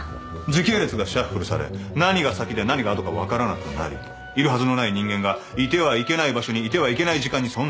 時系列がシャッフルされ何が先で何が後か分からなくなりいるはずのない人間がいてはいけない場所にいてはいけない時間に存在していた。